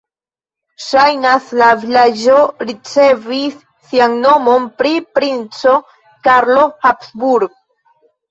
Ŝajnas, la vilaĝo ricevis sian nomon pri princo Karlo Habsburg.